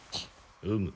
うむ。